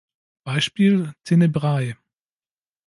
Beispiel: tenebrae.